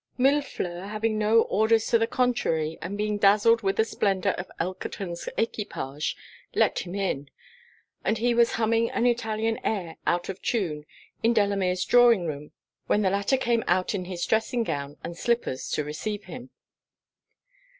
Millefleur having no orders to the contrary, and being dazzled with the splendour of Elkerton's equipage, let him in; and he was humming an Italian air out of tune, in Delamere's drawing room, when the latter came out in his dressing gown and slippers to receive him.